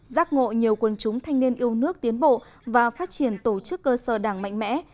giác ngộ nhiều quân chúng thanh niên yêu nước tiến bộ và phát triển tổ chức cơ sở đảng mạnh mẽ